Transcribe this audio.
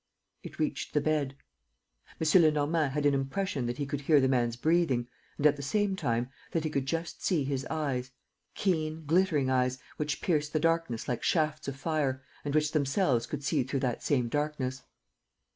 It reached the bed. M. Lenormand had an impression that he could hear the man's breathing and, at the same time, that he could just see his eyes, keen, glittering eyes, which pierced the darkness like shafts of fire and which themselves could see through that same darkness.